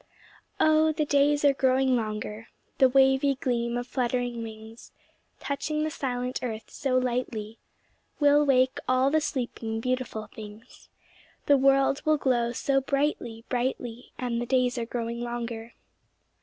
Oh, the days are growing longer, The wavy gleam of fluttering wings, Touching the silent earth so lightly, Will wake all the sleeping, beautiful things, The world will glow so brightly brightly; And the days are growing longer.